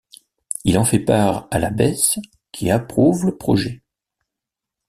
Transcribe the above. Il en fait part à l'abbesse, qui approuve le projet.